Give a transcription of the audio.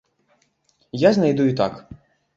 Я знайду і так.